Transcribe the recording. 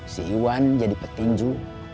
si iwan jadi petinju